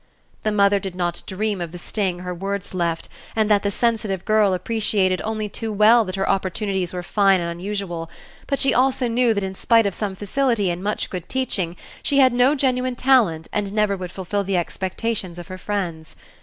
The mother did not dream of the sting her words left and that the sensitive girl appreciated only too well that her opportunities were fine and unusual, but she also knew that in spite of some facility and much good teaching she had no genuine talent and never would fulfill the expectations of her friends.